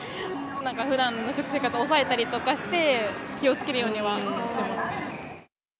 なんかふだんの食生活を抑えたりとかして、気をつけるようにはしてます。